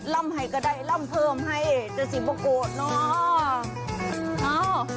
ลำให้ก็ได้ลำเพิ่มให้ชาสิปก็โกรธนะ